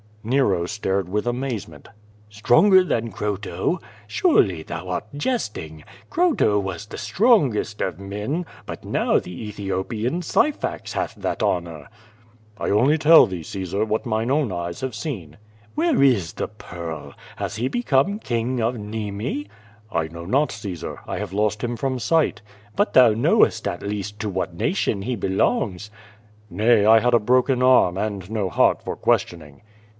Xero stared with amazement. "Stronger than Croto? Surely thou art jesting. Croto was the strongest of men, but now the Aethopian Syphax hath that honor." "I only tell thee, ( 'aesar, what mine own eyes have seen." "Where is the pearl? Has he become King of Nemi?" "I know not, Caesar. I have lost him from sight." "But thou knowest at least to what nation he belongs?" "Nay, I had a broken arm, and no heart for questioning."